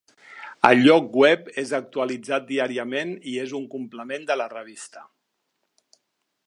El lloc web és actualitzat diàriament i és un complement de la revista.